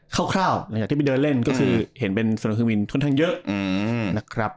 เข้าหลังจากที่ไปเดินเล่นก็คือเห็นเป็นสนธึงมิลค่อนข้างเยอะ